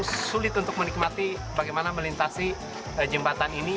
sulit untuk menikmati bagaimana melintasi jembatan ini